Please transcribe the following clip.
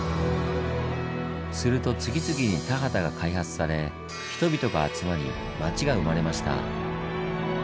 すると次々に田畑が開発され人々が集まり町が生まれました。